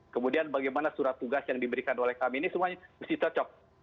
kemudian bagaimana surat tugas yang diberikan oleh kami ini semuanya mesti cocok